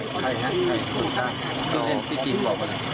ใครนะคนจ้างชื่อเล่นพิจิตรบอกก่อนนะ